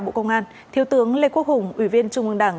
bộ công an thiếu tướng lê quốc hùng ủy viên trung ương đảng